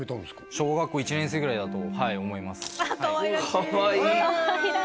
小学校１年生ぐらいだと思いますかわいらしい！